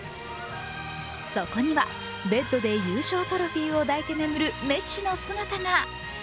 そこにはベッドで優勝トロフィーを抱いて眠るメッシの姿が。